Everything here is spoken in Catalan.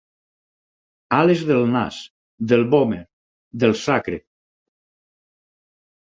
Ales del nas, del vòmer, del sacre.